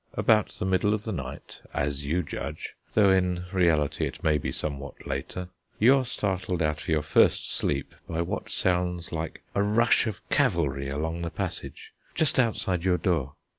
About the middle of the night, as you judge, though in reality it may be somewhat later, you are startled out of your first sleep by what sounds like a rush of cavalry along the passage, just outside your door.